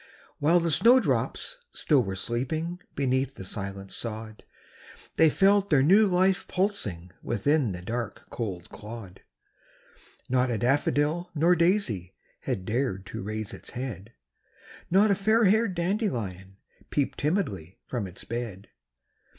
While the snow drops still were sleeping Beneath the silent sod; They felt their new life pulsing Within the dark, cold clod. Not a daffodil nor daisy Had dared to raise its head; Not a fairhaired dandelion Peeped timid from its bed; THE CROCUSES.